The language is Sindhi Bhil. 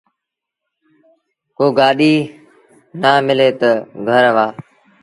ڪو گآڏيٚ نا ملي تا گھر وهآن۔